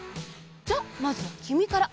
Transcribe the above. じゃあまずはきみから！